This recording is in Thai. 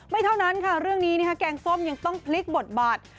เท่านั้นค่ะเรื่องนี้แกงส้มยังต้องพลิกบทบาท